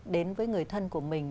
đến với người thân của mình